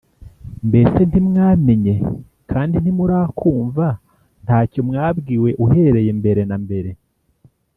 mbese ntimwamenye kandi ntimurakumva? nta cyo mwabwiwe uhereye mbere na mbere?